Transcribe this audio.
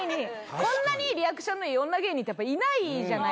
こんなにリアクションのいい女芸人っていないじゃないですか。